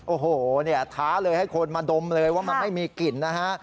โอ้โหเนี่ยท้าเลยให้คนมาดมเลยว่ามันไม่มีกลิ่นนะฮะ